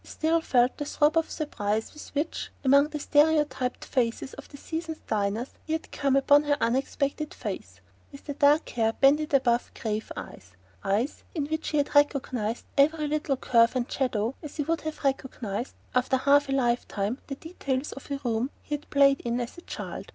He still felt the throb of surprise with which, among the stereotyped faces of the season's diners, he had come upon her unexpected face, with the dark hair banded above grave eyes; eyes in which he had recognized every little curve and shadow as he would have recognized, after half a life time, the details of a room he had played in as a child.